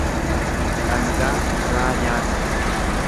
Dhangaa gurraa nyaatan.